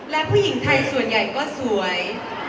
และผู้หญิงไทยส่วนใหญ่ก็สวย